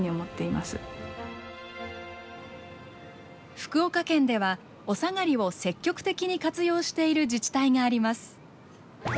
福岡県ではおさがりを積極的に活用している自治体があります。